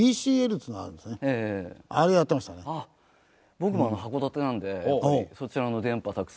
僕も函館なんでやっぱりそちらの電波たくさん。